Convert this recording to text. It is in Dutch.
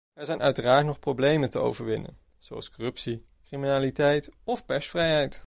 Er zijn uiteraard nog problemen te overwinnen, zoals corruptie, criminaliteit of persvrijheid.